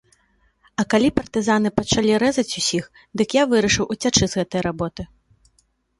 А калі партызаны пачалі рэзаць усіх, дык я вырашыў уцячы з гэтай работы.